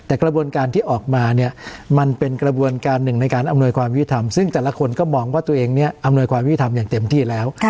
แต่กระบวนการที่ออกมาเนี่ยมันเป็นกระบวนการหนึ่งในการอำนวยความยุติธรรมซึ่งแต่ละคนก็มองว่าตัวเองเนี่ยอำนวยความยุทธรรมอย่างเต็มที่แล้ว